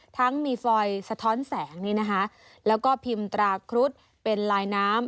ทั้งมีฟอยสะท้อนแสงนี่นะคะแล้วก็พิมพ์ตราครุฑเป็นลายน้ำ